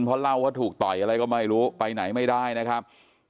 เพราะเล่าว่าถูกต่อยอะไรก็ไม่รู้ไปไหนไม่ได้นะครับ